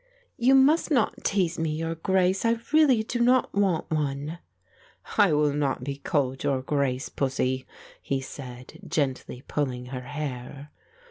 "You must not tease me, your Grace, I really do not want one." "I will not be called 'your Grace,' pussie," he said, gently pulling her hair.